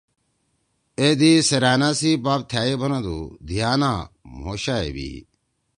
اے دی سیرأنا سی باپ تھأئے بنَدُو: ”دھیِانا! مھو شا ئے بیِئی۔“